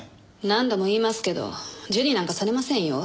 何度も言いますけど受理なんかされませんよ。